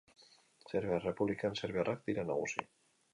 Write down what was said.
Serbiar Errepublikan serbiarrak dira nagusi.